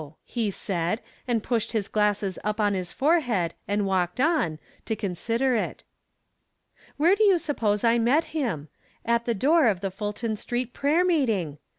" he said, and pushed his glasses up on his forehead and walked on, to consider it. Where do you suppose I met him ? At the door of the Fulton Street prayer meeting!